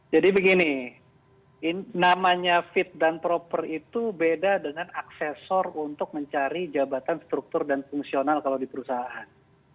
jadi begini namanya fit dan proper itu beda dengan aksesor untuk mencari jabatan struktur dan fungsional kalau di perusahaan